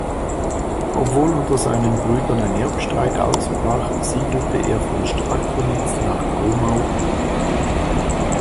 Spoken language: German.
Obwohl unter seinen Brüdern ein Erbstreit ausbrach, siedelte er von Strakonitz nach Krummau um.